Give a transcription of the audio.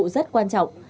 nhiệm vụ rất quan trọng